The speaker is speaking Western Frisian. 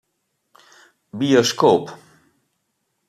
Bioskoop.